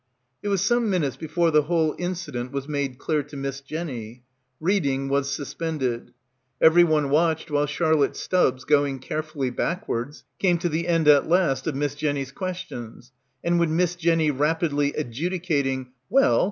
It was some minutes before the whole incident was made clear to Miss Jenny. Reading was sus pended. Everyone watched while Charlotte Stubbs, going carefully backwards, came to the end at last of Miss Jenny's questions, and when Miss Jenny rapidly adjudicating — well!